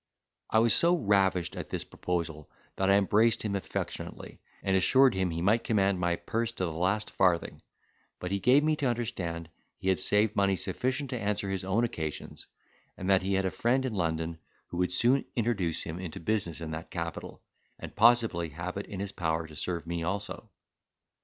I was so ravished at this proposal that I embraced him affectionately, and assured him he might command my purse to the last farthing; but he gave me to understand he had saved money sufficient to answer his own occasions; and that he had a friend in London who would soon introduce him into business in that capital, and possibly have it in his power to serve me also.